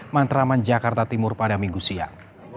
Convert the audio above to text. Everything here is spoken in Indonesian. mantraman jakarta timur pada minggu siang